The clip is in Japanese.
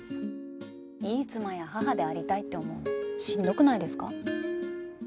いい妻や母でありたいって思うのしんどくないですか？